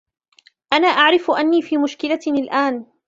أنا أعرف أني في مشكلة الآن.